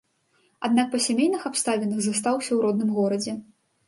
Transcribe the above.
Аднак па сямейных абставінах застаўся ў родным горадзе.